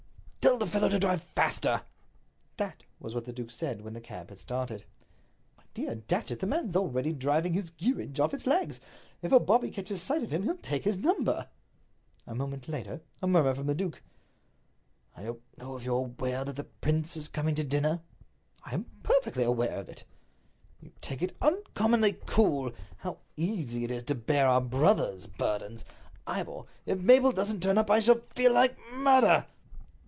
"Tell the fellow to drive faster." That was what the duke said when the cab had started. "My dear Datchet, the man's already driving his geerage off its legs. If a bobby catches sight of him he'll take his number." A moment later, a murmur from the duke: "I don't know if you're aware that the prince is coming to dinner?" "I am perfectly aware of it." "You take it uncommonly cool. How easy it is to bear our brother's burdens! Ivor, if Mabel doesn't turn up I shall feel like murder."